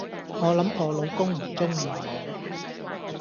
我諗我老公唔鍾意我